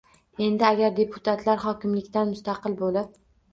Endi agar deputatlar hokimlikdan mustaqil bo‘lib